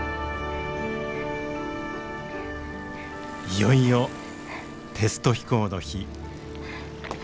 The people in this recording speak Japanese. いよいよテスト飛行の日。